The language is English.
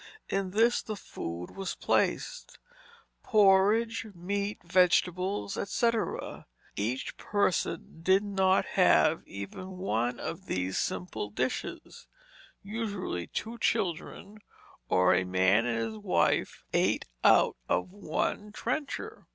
In this the food was placed, porridge, meat, vegetables, etc. Each person did not have even one of these simple dishes; usually two children, or a man and his wife, ate out of one trencher.